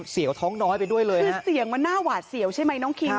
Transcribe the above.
วท้องน้อยไปด้วยเลยคือเสียงมันน่าหวาดเสียวใช่ไหมน้องคิง